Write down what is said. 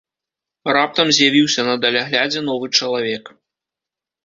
Раптам з'явіўся на даляглядзе новы чалавек.